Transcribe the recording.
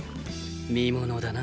見ものだな。